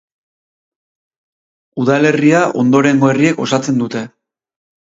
Udalerria ondorengo herriek osatzen dute.